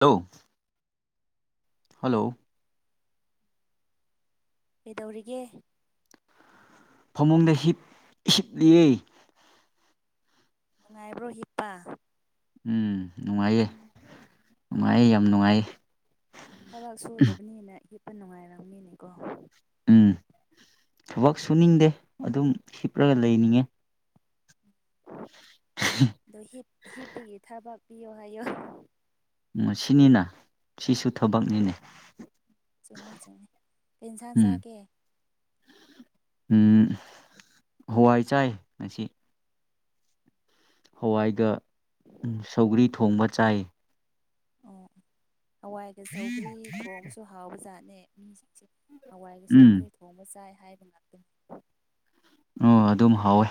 hello hello ꯀꯩꯗꯧꯔꯤꯒꯦ ꯐꯃꯨꯡꯗ ꯍꯤꯞꯂꯤꯌꯦ ꯅꯨꯡꯉꯥꯏꯕ꯭ꯔꯣ ꯍꯤꯞꯄꯥ ꯎꯝ ꯅꯨꯡꯉꯥꯏꯌꯦ ꯅꯨꯡꯉꯥꯏꯌꯦ ꯌꯥꯝ ꯅꯨꯡꯉꯥꯏꯌꯦ ꯊꯕꯛ ꯁꯨꯗꯕꯅꯤꯅ ꯍꯤꯞꯄ ꯅꯨꯡꯉꯥꯏꯔꯝꯅꯤꯅꯦꯀꯣ ꯎꯝ ꯊꯕꯛ ꯁꯨꯅꯤꯡꯗꯦ ꯑꯗꯨꯝ ꯍꯤꯞꯂꯒ ꯂꯩꯅꯤꯡꯉꯦ ꯍꯤꯞꯄꯒꯤ ꯊꯕꯛ ꯄꯤꯌꯣ ꯍꯥꯏꯌꯣ ꯁꯤꯅꯤꯅ ꯁꯤꯁꯨ ꯊꯕꯛꯅꯤꯅꯦ ꯆꯨꯝꯃꯦ ꯆꯨꯝꯃꯦ ꯀꯦꯟꯁꯥꯡ ꯆꯥꯒꯦ ꯎ ꯍꯋꯥꯏ ꯆꯥꯏ ꯉꯁꯤ ꯍꯋꯥꯏꯒ ꯁꯧꯒ꯭ꯔꯤ ꯊꯣꯡꯕ ꯆꯥꯏ ꯑꯣ ꯍꯋꯥꯏꯒ ꯁꯧꯒ꯭ꯔꯤ ꯊꯣꯡꯕꯁꯨ ꯍꯥꯎꯕ ꯖꯥꯠꯅꯦ ꯍꯋꯥꯏꯒ ꯎꯝ ꯁꯧꯒꯔꯤ ꯊꯣꯡꯕ ꯆꯥꯏ ꯍꯥꯏꯕ ꯉꯥꯛꯇꯅꯤ ꯑꯣ ꯑꯗꯨꯝ ꯍꯥꯎꯋꯦ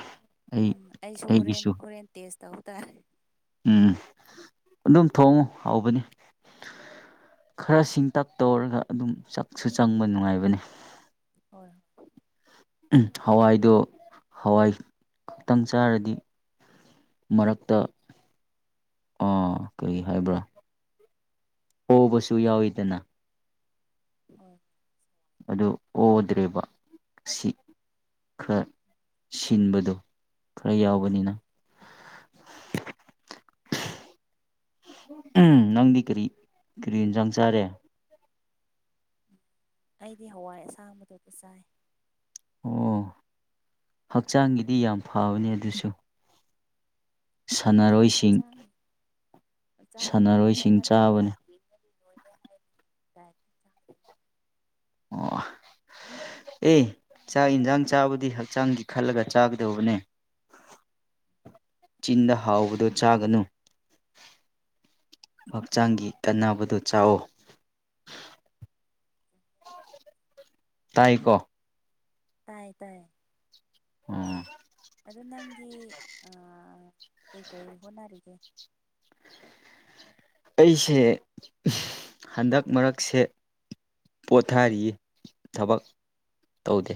ꯑꯩ ꯑꯩꯁꯨ ꯍꯣꯔꯦꯟ ꯑꯩꯒꯤꯁꯨ ꯍꯣꯔꯦꯟ ꯇꯦꯁ ꯇꯧ ꯇꯔꯦ ꯎꯝ ꯑꯗꯨꯝ ꯊꯣꯡꯉꯨ ꯍꯥꯎꯧꯕꯅꯤ ꯈꯔꯁꯤꯡ ꯇꯛ ꯇꯧꯔꯒ ꯑꯗꯨꯝ ꯆꯥꯛꯁꯨ ꯆꯪꯕ ꯅꯨꯡꯉꯥꯏꯕꯅꯤ ꯍꯣꯏ ꯍꯣꯏ ꯍꯋꯥꯏꯗꯣ ꯍꯋꯥꯏ ꯈꯛꯇꯪ ꯆꯥꯔꯗꯤ ꯃꯔꯛꯇ ꯀꯔꯤ ꯍꯥꯏꯕ꯭ꯔꯥ ꯍꯣꯕꯁꯨ ꯌꯥꯎꯏꯤꯗꯅ ꯑꯝ ꯑꯗꯨ ꯑꯣꯗ꯭ꯔꯦꯔꯤꯕ ꯁꯤ ꯈꯔ ꯁꯤꯟꯕꯗꯣ ꯈꯔ ꯌꯥꯎꯕꯅꯤꯅ [inaudible] ꯅꯪꯗꯤ ꯀꯔꯤ ꯀꯔꯤ ꯌꯦꯟꯖꯥꯡ ꯆꯥꯔꯦ ꯑꯩꯗꯤ ꯍꯋꯥꯏ ꯑꯁꯥꯡꯕꯗꯨ ꯆꯥꯏ ꯑꯣ ꯍꯛꯆꯥꯡꯒꯤꯗꯤ ꯌꯥꯝ ꯐꯕꯅꯦ ꯑꯗꯨꯁꯨ ꯈꯪꯗꯦꯗ ꯁꯥꯟꯅꯔꯣꯏꯁꯤꯡ ꯍꯥꯆꯥꯥꯛ ꯃꯆꯥꯡꯒꯤ ꯐꯕ꯭ꯔꯥ ꯁꯥꯟꯅꯔꯣꯏꯁꯤꯡ ꯐꯠꯇꯕ꯭ꯔꯥ ꯆꯥꯕꯅꯦ ꯌꯦꯅꯗꯤ ꯂꯣꯏꯔꯦ ꯍꯥꯏꯔꯤꯅꯤ [inaudible] ꯑꯣ ꯑꯦ ꯆꯥꯛ ꯌꯦꯟꯁꯥꯡ ꯆꯥꯕꯨꯗꯤ ꯍꯛꯆꯥꯡꯒꯤ ꯈꯜꯂꯒ ꯆꯥꯒꯗꯧꯕꯅꯦ [inaudible] ꯆꯤꯟꯗ ꯍꯥꯎꯕꯗꯨ ꯆꯥꯒꯅꯨ ꯗꯥꯏꯠ ꯍꯛꯆꯥꯡꯒꯤ ꯀꯥꯟꯅꯕꯗꯨ ꯆꯥꯑꯣ ꯇꯥꯏꯀꯣ ꯇꯥꯏ ꯇꯥꯏ ꯎꯝ ꯑ ꯀꯩꯀꯩ ꯍꯣꯠꯅꯔꯤꯒꯦ ꯑꯩꯁꯦ ꯍꯟꯗꯛ ꯃꯔꯛꯁꯦ ꯄꯣꯊꯥꯔꯤ ꯊꯕꯛ ꯇꯧꯗꯦ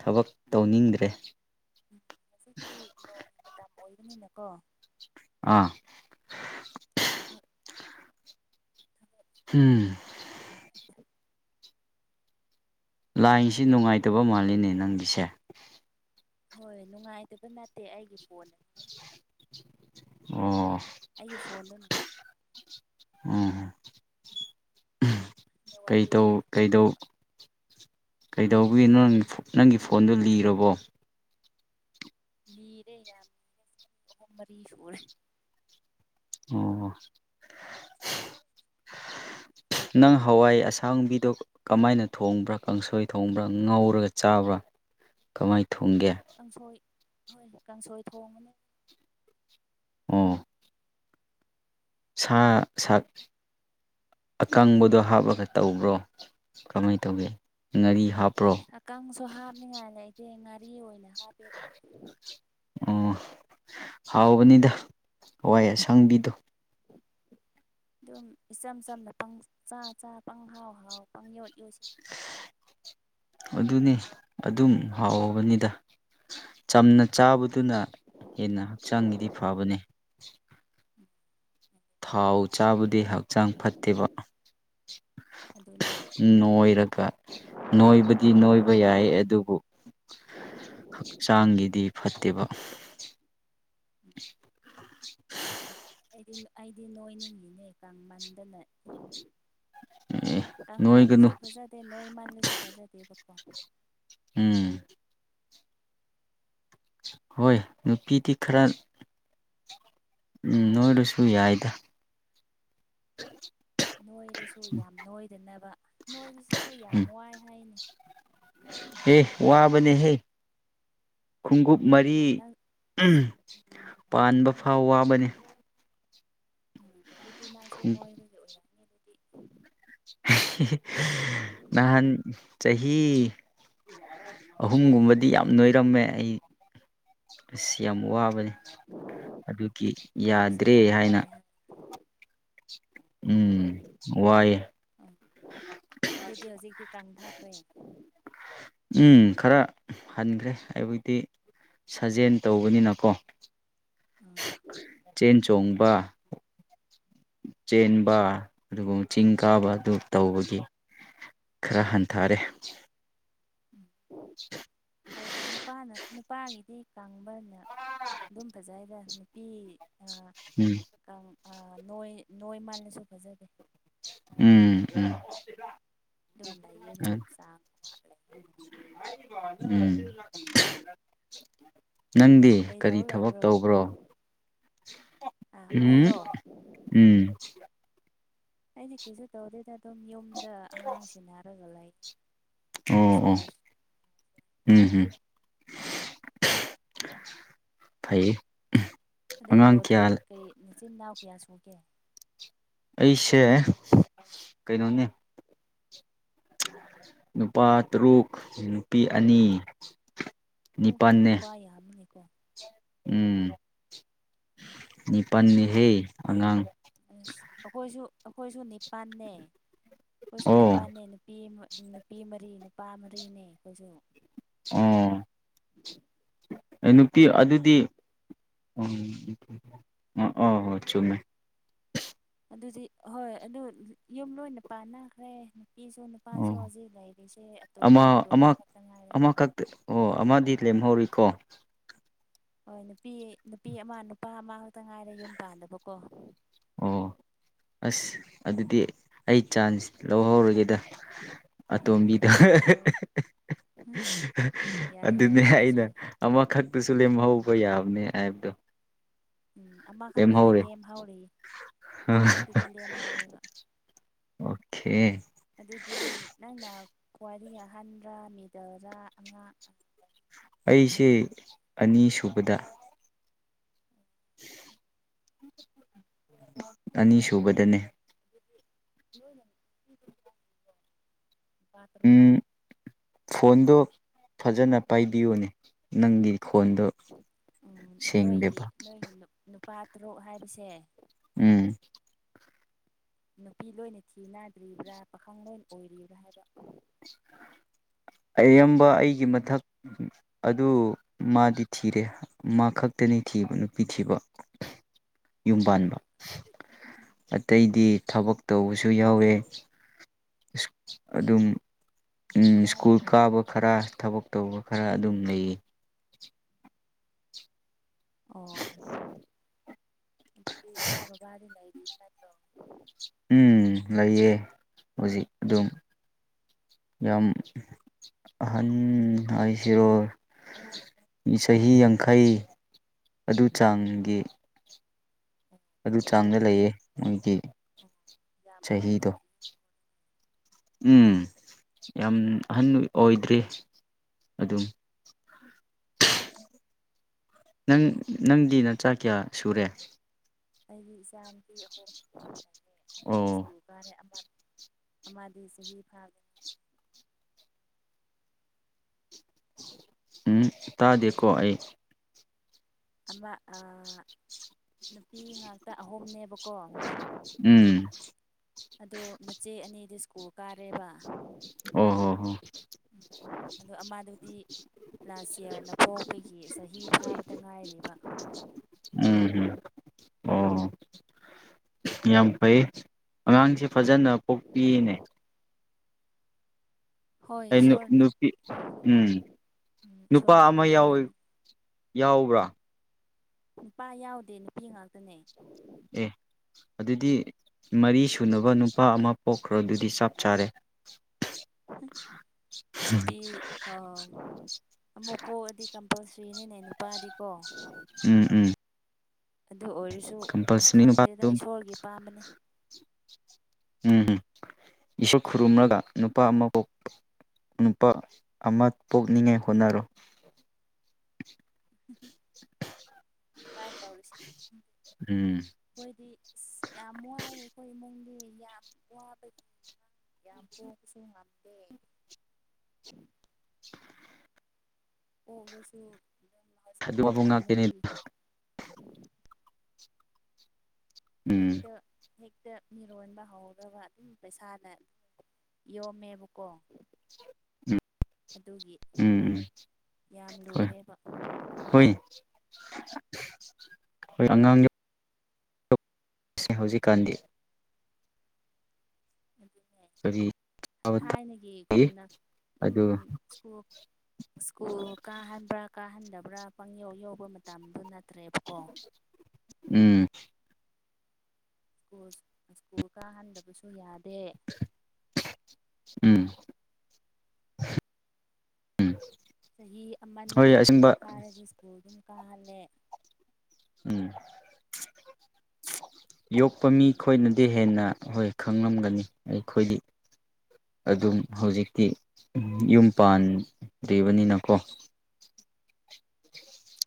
ꯊꯕꯛ ꯇꯧꯅꯤꯡꯗ꯭ꯔꯦ ꯍꯧꯖꯤꯛꯇꯤ ꯅꯣꯡ ꯃꯇꯝ ꯑꯣꯏꯕꯅꯤꯅꯀꯣ ꯑꯥ ꯊꯕꯛ ꯎꯝ ꯂꯥꯏꯁꯤ ꯅꯨꯡꯉꯥꯏꯇꯕ ꯃꯥꯜꯂꯤꯅꯦ ꯅꯪꯒꯤꯁꯦ ꯍꯣꯏ ꯅꯨꯡꯉꯥꯏꯇꯕ ꯅꯠꯇꯦ ꯑꯩꯒꯤ ꯐꯣꯟ ꯑꯣ ꯑꯩꯒꯤ ꯐꯣꯟꯣꯟ ꯎꯝ ꯀꯩ ꯅꯦꯠꯋꯥꯛꯇꯤ ꯇꯧ ꯑꯗꯨꯝ ꯀꯩꯗꯧ ꯀꯩꯗꯧꯕꯒꯤꯅꯣ ꯅꯪꯒꯤ ꯐꯣꯟꯗꯣ ꯂꯤꯔꯕꯣ ꯂꯤꯔꯦ ꯌꯥꯝ ꯑꯍꯨꯝ ꯃꯔꯤ ꯁꯨꯔꯦ ꯑꯣ ꯅꯪ ꯍꯋꯥꯏ ꯑꯁꯥꯡꯕꯤꯗꯣ ꯀꯃꯥꯏꯅ ꯊꯣꯡꯕ꯭ꯔꯥ ꯀꯥꯡꯁꯣꯏ ꯊꯣꯡꯕ꯭ꯔꯥ ꯉꯧꯔꯒ ꯆꯥꯕ꯭ꯔꯥ ꯀꯃꯥꯏ ꯊꯣꯡꯒꯦ ꯀꯥꯡꯁꯣꯏ ꯍꯣꯏ ꯀꯥꯡꯁꯣꯏ ꯊꯣꯡꯉꯅꯤ ꯎ ꯁꯥ ꯁꯥꯛ ꯑꯀꯪꯕꯗꯣ ꯍꯥꯞꯄꯒ ꯇꯧꯕ꯭ꯔꯣ ꯀꯃꯥꯏꯅ ꯇꯧꯒꯦ ꯉꯥꯔꯤ ꯍꯥꯞꯄ꯭ꯔꯣ ꯑꯀꯪꯕꯁꯨ ꯍꯥꯞꯅꯤꯡꯉꯥꯏ ꯂꯩꯇꯦ ꯉꯥꯔꯤ ꯑꯣꯏꯅ ꯍꯥꯞꯄꯦꯗ ꯑꯣ ꯍꯥꯎꯕꯅꯤꯗ ꯍ꯭ꯥꯋꯏ ꯑꯁꯪꯕꯤꯗꯣ ꯑꯗꯨꯝ ꯏꯆꯝ ꯆꯝꯅ ꯄꯪ ꯆ ꯆꯥ ꯄꯪ ꯍꯥꯎ ꯍꯥꯎ ꯄꯪ ꯌꯣꯠ ꯌꯣꯠꯁꯤ ꯑꯗꯨꯅꯤ ꯑꯗꯨꯝ ꯍꯥꯎꯕꯅꯤꯗ ꯆꯝꯅ ꯆꯥꯕꯗꯨꯅ ꯍꯦꯟꯅ ꯍꯛꯆꯥꯡꯒꯤꯗꯤ ꯐꯕꯅꯦ ꯊꯥꯎ ꯆꯥꯕꯨꯗꯤ ꯍꯛꯆꯥꯡ ꯐꯠꯇꯦꯕ ꯑꯗꯨꯅꯦ ꯅꯣꯏꯔꯒ ꯅꯣꯏꯕꯗꯤ ꯅꯣꯏꯕ ꯌꯥꯏ ꯑꯗꯨꯕꯨ ꯍꯛꯆꯥꯡꯒꯤꯗꯤ ꯐꯠꯇꯦꯕ ꯑꯩꯗꯤ ꯑꯩꯗꯤ ꯅꯣꯏꯅꯤꯡꯉꯤꯅꯦ ꯀꯥꯡꯃꯟꯗꯅ ꯑꯦ ꯑꯪ ꯃꯥꯥꯟꯂ ꯅꯣꯏꯒꯅꯨ ꯁꯣꯐꯦ ꯅꯣꯡꯣꯏ ꯃꯥꯥꯟꯂꯤ ꯁꯣꯐꯥꯦ ꯐ ꯎꯝ ꯍꯣꯏ ꯅꯨꯄꯤꯗꯤ ꯈꯔ ꯎꯝ ꯅꯣꯏꯔꯨꯁꯨ ꯌꯥꯏꯗ [inaudible] ꯅꯣꯏꯗꯨꯁꯨ ꯌꯥꯝ ꯅꯣꯏꯗꯅꯕ ꯅꯣꯏꯕꯁꯤꯁꯨ ꯌꯥꯝ ꯎꯝ ꯋꯥꯏ ꯍꯥꯏꯅꯤ ꯑꯦ ꯋꯥꯕꯅꯦꯍꯦ ꯈꯣꯡꯎꯞ ꯃꯔꯤ ꯑꯣ ꯅꯪ ꯄꯥꯟꯕ ꯐꯥꯎ ꯋꯥꯕꯅꯤ ꯎꯝ ꯑꯗꯨꯗꯤ ꯅꯪꯁꯨ ꯅꯣꯏꯕꯗ ꯑꯣꯏꯔꯛꯑꯅꯤ ꯅꯍꯥꯟ ꯆꯍꯤ ꯑꯍꯨꯝꯒꯨꯝꯕꯗꯤ ꯌꯥꯝ ꯅꯣꯏꯔꯝꯃꯦ ꯑꯩ ꯑꯁ ꯌꯥꯝ ꯋꯥꯕꯅꯤ ꯑꯗꯨꯒꯤ ꯅꯣꯏꯕꯁꯦ ꯌꯥꯗ꯭ꯔꯦ ꯌꯥꯝ ꯍꯥꯏꯅ ꯋꯥꯏ ꯍꯥꯏ ꯎꯝ ꯋꯥꯏ ꯎ ꯑꯗꯨꯗꯤ ꯍꯧꯖꯤꯛꯇꯤ ꯀꯥꯡꯊꯈ꯭ꯔꯦ ꯎꯝ ꯈꯔ ꯍꯟꯈ꯭ꯔꯦ ꯍꯥꯏꯕꯗꯤ ꯁꯥꯖꯦꯜ ꯇꯧꯕꯅꯤꯅꯀꯣ ꯎꯝ ꯆꯦꯟ ꯆꯣꯡꯕ ꯕꯥ ꯆꯦꯟꯕ ꯑꯗꯨꯒ ꯆꯤꯡ ꯀꯥꯕ ꯑꯗꯨ ꯇꯧꯕꯒꯤ ꯈꯔ ꯍꯟꯊꯔꯦ ꯎꯝ ꯐꯔꯦ ꯐꯔꯦ ꯅꯨꯄꯥꯅ ꯅꯨꯄꯥꯒꯤꯗꯤ ꯀꯪꯕꯅꯦ ꯑꯗꯨꯝ ꯐꯖꯩꯗ ꯅꯨꯄꯤ ꯎꯝ ꯑ ꯅꯣꯏ ꯅꯣꯏ ꯃꯥꯜꯂꯁꯨ ꯐꯖꯗꯦ ꯎꯝ ꯎꯝ ꯑꯗꯨ ꯂꯩꯏꯌꯦ ꯑꯗꯨ ꯅꯥꯡꯉ ꯎꯝ ꯅꯪꯗꯤ ꯀꯩꯗꯧ ꯀꯔꯤ ꯊꯕꯛ ꯂꯩꯕ꯭ꯔꯣ ꯇꯧꯕ꯭ꯔꯣ ꯑꯥ ꯎꯝ ꯑꯩꯔꯣ ꯎꯝ ꯑꯩꯅ ꯀꯩꯁꯨ ꯇꯧꯗꯦꯗ ꯑꯗꯨꯝ ꯌꯨꯝꯗ ꯑꯉꯥꯡꯁꯦꯟꯅꯔꯒ ꯂꯩ ꯑꯣ ꯍꯥꯎꯁ ꯑꯣ ꯋꯥꯏꯐ ꯎꯝ ꯍꯝ ꯐꯩꯌꯦ ꯑꯗꯨ ꯑꯉꯥꯡ ꯕ꯭ꯔꯣꯗꯤ ꯀꯌꯥ ꯀꯩ ꯃꯆꯤꯟ ꯏꯅꯥꯎ ꯀꯌꯥ ꯁꯨꯒꯦ ꯑꯩꯁꯦ ꯀꯩꯅꯣꯅꯦ ꯅꯨꯄꯥ ꯇꯔꯨꯛ ꯅꯨꯄꯤ ꯑꯅꯤ ꯑꯣ ꯅꯤꯄꯥꯜꯅꯦ ꯅꯨꯄꯥ ꯌꯥꯕꯅꯦꯀꯣ ꯎꯝ ꯎꯝ [inaudible] ꯅꯤꯄꯜꯅꯤꯍꯦ ꯑꯉꯥꯡ ꯑꯁ ꯑꯩꯈꯣꯏꯁꯨ ꯑꯩꯈꯣꯏꯁꯨ ꯅꯤꯄꯥꯜꯅꯦ ꯑꯩꯈꯣꯏꯁꯨ ꯑꯣ ꯅꯤꯄꯥꯜꯅꯦ ꯅꯨꯄꯤ ꯅꯨꯄꯤ ꯃꯔꯤ ꯅꯨꯄꯥ ꯃꯔꯤꯅꯦ ꯑꯈꯣꯢꯁꯨ ꯑꯣ ꯑꯩ ꯅꯨꯄꯤ ꯑꯗꯨꯗꯤ [unintelligible] ꯑꯗꯨꯗꯤ ꯍꯣꯏ ꯑꯗꯨ ꯌꯨꯝ ꯂꯣꯏꯅ ꯄꯥꯟꯅꯈ꯭ꯔꯦ ꯅꯨꯄꯤꯁꯨ ꯅꯨꯄꯥꯁꯨ ꯑꯣ ꯍꯧꯖꯤꯛ ꯂꯩꯔꯤꯁꯦ ꯑꯇꯣꯝꯕꯤ ꯑꯃ ꯑꯇꯣꯝꯕ ꯑꯃ ꯈꯛꯇ ꯉꯥꯏꯔꯦ ꯑꯃꯈꯛꯇ ꯑꯣ ꯑꯃꯗꯤ ꯂꯦꯝꯍꯧꯔꯤꯀꯣ ꯍꯣꯏ ꯅꯨꯄꯤ ꯅꯨꯄꯤ ꯑꯃ ꯅꯨꯄꯥ ꯑꯃ ꯈꯛꯇ ꯉꯥꯏꯔꯦ ꯌꯨꯝ ꯄꯥꯟꯗꯕꯀꯣ ꯑꯣ ꯑꯁ ꯑꯗꯨꯗꯤ ꯑꯩ ꯆꯥꯟꯁ ꯂꯧꯍꯧꯔꯒꯦꯗ ꯎꯝ ꯑꯇꯣꯝꯕꯤꯗ ꯂꯧꯔꯣ ꯂꯧꯔꯣ ꯎꯝ ꯌꯥꯏ ꯌꯥꯏ ꯑꯗꯨꯅꯦ ꯑꯗꯨꯁꯨ ꯑꯩꯅ ꯑꯃꯈꯛ ꯑꯗꯨꯁꯨ ꯂꯦꯝꯍꯧꯕ ꯌꯥꯕꯅꯦ ꯍꯥꯏꯕꯗꯣ ꯎꯝ ꯑꯃꯈꯛꯇꯗꯤ ꯂꯦꯝꯍꯧꯔꯦ ꯂꯦꯝꯍꯥꯎꯔꯤ ꯑ ꯈꯛꯇꯗꯤ ꯂꯦꯝ ꯍꯥꯎꯋꯦꯕ ꯑꯣꯀꯦ ꯑꯗꯨꯗꯤ ꯅꯪꯅ ꯋꯥꯔꯤ ꯑꯍꯟꯕ ꯃꯤꯗꯥꯜꯔꯥ ꯑꯉꯥꯡ ꯑꯩꯁꯦ ꯑꯉꯥꯡ ꯑꯅꯤꯁꯨꯕꯗ [unintelligible] ꯑꯅꯤ ꯁꯨꯕꯗꯅꯦ [unintelligible] ꯎꯝ ꯐꯣꯟꯗꯣ ꯐꯖꯅ ꯄꯥꯏꯕꯤꯌꯨꯅꯦ ꯅꯪꯒꯤ ꯐꯣꯟꯗꯣ ꯎꯝ ꯅꯣꯏꯒꯤ ꯁꯦꯡꯗꯦꯕ ꯅꯣꯏꯒꯤ ꯅꯨꯄꯥ ꯇꯔꯨꯛ ꯍꯥꯏꯕꯁꯦ ꯎꯝ ꯅꯨꯄꯤ ꯂꯣꯏꯅ ꯊꯤꯅꯥꯗ꯭ꯔꯤꯕ꯭ꯔꯥ ꯄꯥꯈꯪ ꯂꯣꯏ ꯑꯣꯏꯔꯤꯕ꯭ꯔꯥ ꯍꯥꯏꯕ ꯑꯌꯥꯝꯕ ꯑꯩꯒꯤ ꯃꯊꯛ ꯑꯗꯨ ꯃꯥꯗꯤ ꯊꯤꯔꯦ ꯃꯥ ꯈꯛꯇꯅꯤ ꯊꯤ ꯊꯤꯕ ꯅꯨꯄꯤ ꯊꯤꯕ ꯌꯨꯝ ꯑꯣ ꯄꯥꯟꯕ ꯑꯇꯩꯗꯤ ꯊꯕꯛ ꯇꯧꯕꯁꯨ ꯌꯥꯎꯋꯦ ꯑꯗꯨꯝ ꯁ꯭ꯀꯨꯜ ꯀꯥꯕ ꯈꯔ ꯊꯕꯛ ꯇꯧꯕ ꯈꯔ ꯑꯗꯨꯝ ꯂꯩꯌꯦ ꯑꯣ [inaudible] ꯑꯗꯨꯗꯤ ꯢꯃꯥ ꯕꯕꯗꯤ ꯂꯩꯂꯤꯕ ꯀꯠꯇ꯭ꯔꯣ ꯎꯝ ꯂꯩꯌꯦ ꯍꯧꯖꯤꯛ ꯑꯗꯨꯝ ꯌꯥꯝ ꯑꯍꯟ ꯍꯥꯏꯁꯤꯔꯣ ꯆꯍꯤ ꯌꯥꯡꯈꯩ ꯑꯗꯨ ꯆꯥꯡꯒꯤ ꯑꯗꯨ ꯆꯥꯡꯗ ꯂꯩꯌꯦ ꯃꯣꯏꯒꯤ ꯑꯣ ꯌꯥꯝ ꯑꯍꯟ ꯆꯍꯤꯗꯣ ꯑꯣꯏꯗ꯭ꯔꯤ ꯎꯝ ꯌꯥꯝ ꯑꯍꯟ ꯑꯣꯏꯗ꯭ꯔꯤ ꯑꯗꯨꯝ ꯅꯪ ꯅꯪꯗꯤ ꯅꯆꯥ ꯀꯌꯥ ꯁꯨꯔꯦ ꯑꯩꯒꯤ ꯏꯆꯥꯅꯨꯄꯤ ꯑꯍꯨꯝ ꯂꯩꯌꯦ ꯑꯅꯤꯗꯤ ꯑꯣ ꯁ꯭ꯀꯨꯜ ꯀꯥꯔꯦ ꯑꯃ ꯑꯃꯗꯤ ꯆꯍꯤ ꯐꯥꯕꯦ ꯎꯝ ꯇꯥꯗꯀꯣ ꯑꯩ ꯑꯃ ꯅꯨꯄꯤ ꯉꯥꯛꯇ ꯑꯍꯨꯝꯅꯦꯕꯀꯣ ꯎꯝ ꯑꯗꯣ ꯃꯆꯦ ꯑꯅꯤꯗꯤ ꯁ꯭ꯀꯨꯜ ꯀꯥꯔꯦꯕ ꯑ ꯍ ꯑꯣ ꯑꯃꯥꯗꯨꯗꯤ ꯂꯥꯁ ꯌꯌꯥꯔꯅ ꯄꯣꯛꯕꯒꯤ ꯆꯍꯤ ꯐꯥꯕꯗ ꯉꯥꯏꯔꯤꯕ ꯎꯝ ꯑꯣ ꯌꯥꯝ ꯐꯩ ꯑꯉꯥꯡꯁꯦ ꯐꯖꯅ ꯄꯣꯛꯄꯤꯅꯦ ꯍꯣꯏ ꯑ ꯅꯨ ꯏꯁꯣꯔꯅ ꯅꯨꯄꯤ ꯎꯝ ꯎꯝ ꯅꯨꯄꯥ ꯏꯁꯣꯔꯅ ꯑꯃ ꯌꯥꯎꯋ ꯄꯤꯕꯤ ꯌꯥꯎꯕ꯭ꯔꯥ ꯅꯨꯄꯥ ꯌꯥꯎꯗꯦ ꯅꯨꯄꯤ ꯉꯥꯛꯇꯅꯦ ꯎ ꯑꯗꯨꯗꯤ ꯃꯔꯤ ꯁꯨꯅꯕ ꯅꯨꯄꯥ ꯑꯃ ꯄꯣꯛꯈ꯭ꯔ ꯑꯗꯨꯗꯤ ꯆꯞ ꯆꯥꯔꯦ ꯅꯨꯄꯤ ꯑ ꯑꯃꯨꯛꯄꯥꯎ ꯑꯗꯨꯗꯤ ꯅꯨꯄꯥ ꯁ꯭ꯔꯤꯅꯤꯅꯦ ꯅꯨꯄꯥꯗꯤꯀꯣ ꯎꯝ ꯎꯝ ꯑꯗꯨ ꯑꯣꯏꯔꯁꯨ ꯀꯝꯄꯜꯁꯔꯤ ꯅꯨꯄꯥ ꯈꯪꯗꯦꯗ ꯑꯗꯨꯝ ꯏꯁꯣꯔꯒꯤ ꯄꯥꯝꯕꯅꯤ ꯎꯝꯝ ꯏꯁꯨꯛ ꯈꯨꯔꯨꯝꯂꯒ ꯅꯨꯄꯥ ꯑꯃ ꯀꯣꯛ ꯅꯨꯄꯥ ꯑꯃ ꯄꯣꯛꯅꯤꯡꯉꯥꯏ ꯍꯣꯠꯅꯔꯣ ꯎ [inaudible] ꯑꯗꯨꯕꯥꯥꯏ ꯇꯧꯔꯤꯁꯤꯦ ꯎꯝ ꯑꯩꯈꯣꯏꯗꯤ ꯌꯥꯝ ꯋꯥꯏ ꯑꯩꯈꯣꯏ ꯏꯃꯨꯡꯗꯤk... ꯌꯥꯝ ꯄꯕ ꯌꯥꯝ ꯄꯕꯁꯨ ꯉꯝꯗꯦ [unintelligible] ꯑꯣꯕꯁꯨ ꯑꯗꯨꯕꯨꯡ ꯉꯥꯛꯇꯅꯤꯗ ꯎꯝ ꯍꯦꯛꯇ ꯍꯦꯛꯇ ꯃꯤꯔꯣꯟꯕ ꯍꯧꯗꯕ ꯑꯗꯨꯝ ꯄꯩꯁꯥꯅ ꯌꯣ ꯃꯦꯕꯨꯀꯣ ꯎꯝ ꯑꯗꯨꯒꯤ ꯎꯝ ꯎꯝ ꯌꯥꯝ ꯍꯣꯏ ꯂꯨꯔꯦꯕ ꯍꯣꯏ ꯍꯣꯏ ꯑꯉꯥꯡ ꯍꯧꯖꯤꯛꯀꯥꯟꯗꯤ ꯎꯝ ꯁꯔꯤ ꯊꯥꯏꯅꯒꯤꯒꯨꯝꯅ ꯑꯗꯨꯝ ꯑꯗꯨ ꯁ꯭ꯀꯨꯜ ꯁ꯭ꯀꯨꯜ ꯀꯥꯍꯟꯕ꯭ꯔꯥ ꯀꯥꯍꯟꯗꯕ꯭ꯔꯥ ꯄꯪ ꯌꯧ ꯌꯧꯕ ꯃꯇꯝꯗꯨ ꯅ ꯎꯝ ꯁꯀꯨꯜ ꯁ꯭ꯀꯨꯜ ꯀꯥꯍꯟꯗꯕꯁꯨ ꯌꯥꯗꯦ ꯎꯝ ꯎꯝ ꯆꯍꯤ ꯑꯃꯅꯤ ꯐꯥꯔꯗꯤ ꯁ꯭ꯀꯨꯜ ꯑꯗꯨꯝ ꯀꯥꯍꯜꯂꯦ ꯎꯝ ꯌꯣꯛꯄ ꯃꯤꯈꯣꯏꯅꯗꯤ ꯍꯦꯟꯅ ꯍꯣꯏ ꯈꯪꯂꯝꯒꯅꯤ ꯑꯩꯈꯣꯏꯗꯤ ꯑꯗꯨꯝ ꯍꯧꯖꯤꯛꯇꯤ ꯌꯨꯝ ꯄꯥꯟꯗ꯭ꯔꯤꯕꯅꯤꯅꯀꯣ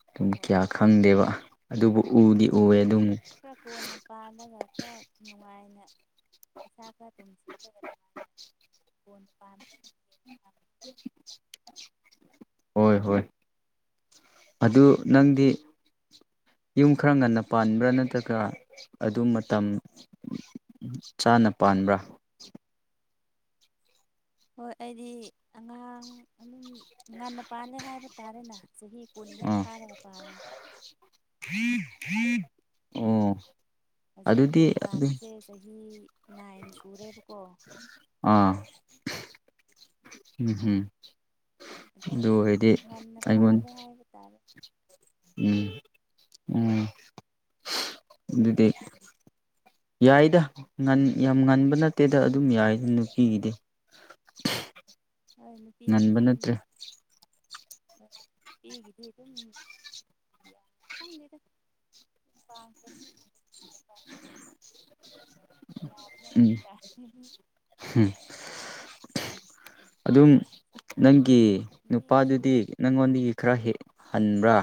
ꯑꯗꯨꯝ ꯍꯣꯏ ꯀꯌꯥ ꯈꯪꯗꯦꯕ ꯑꯗꯨꯕꯨ ꯎꯗꯤ ꯎꯋꯦ ꯑꯗꯨꯝ ꯈꯔ ꯀꯣꯟꯅ ꯄꯥꯜꯂꯒ ꯈꯔ ꯅꯨꯡꯉꯥꯏꯅ ꯏꯁꯥ ꯈ ꯇꯨꯡꯁꯤꯜꯂꯒ ꯅꯨꯡꯉꯥꯏꯅ ꯄꯟ ꯄꯝ ꯍꯣꯏ ꯍꯣꯏ ꯑꯗꯨ ꯅꯪꯗꯤ ꯌꯨꯝ ꯈꯔ ꯉꯟꯅ ꯄꯥꯟꯕ꯭ꯔꯥ ꯅꯠꯇ꯭ꯔꯒ ꯑꯗꯨ ꯃꯇꯝ ꯆꯥꯅ ꯄꯥꯟꯕ꯭ꯔꯥ ꯍꯣꯏ ꯑꯩꯗꯤ ꯑꯉꯥꯡ ꯑꯗꯨꯝ ꯉꯟꯅ ꯄꯥꯜꯂꯦ ꯍꯥꯏꯕ ꯇꯥꯔꯦꯅꯦ ꯆꯍꯤ ꯆꯍꯤ ꯀꯨꯟꯍ ꯐꯥꯔ ꯄ ꯎꯝ ꯍꯧꯖꯤꯛ ꯌꯨꯝ ꯄꯥꯟꯕꯁꯦ ꯆꯍꯤ ꯅꯥꯏꯟ ꯁꯨꯔꯦꯕꯀꯣ ꯑꯥ ꯎꯝ ꯍꯝ ꯑꯗꯒꯤ ꯉꯟꯅ ꯄꯥꯜꯂꯦ ꯍꯥꯏꯕ ꯇꯥꯔꯦ ꯎꯝ ꯎꯝ ꯑꯗꯨꯗꯤ ꯌꯥꯏꯗ ꯌꯥꯝ ꯉꯟꯕ ꯅꯠꯇꯦꯗ ꯑꯗꯨꯝ ꯌꯥꯏ ꯅꯨꯄꯤꯒꯤꯗꯤ [inaudible] ꯍꯣꯏ ꯅꯨꯄꯤꯒꯤꯁ ꯉꯟꯕ ꯑꯗꯨꯝ ꯅꯠꯇ꯭ꯔꯦ ꯍꯦꯒꯗꯦ ꯌꯥꯦꯗ ꯎ ꯌꯥ ꯍꯥꯏ ꯎꯝ ꯑꯗꯨꯝ ꯅꯪꯒꯤ ꯅꯨꯄꯤꯒꯤꯁꯨ ꯅꯨꯄꯥꯗꯨꯗꯤ ꯅꯪꯉꯣꯟꯗꯒꯤ ꯈꯔ ꯍꯦꯛ ꯍꯟꯕ꯭ꯔꯥ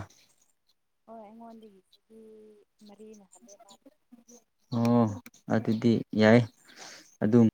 ꯍꯣꯏ ꯑꯩꯉꯣꯟꯗꯒꯤꯁꯤꯁꯨ ꯃꯔꯤꯅ ꯍꯜꯂꯦ ꯃꯥꯦ ꯑꯣ ꯑꯗꯨꯗꯤ ꯌꯥꯏ ꯑꯗꯨꯝ